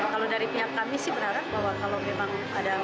kalau dari pihak kami sih berharap bahwa kalau memang ada